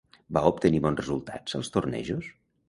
Va obtenir bons resultats als tornejos?